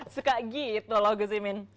suka gitu loh gus imin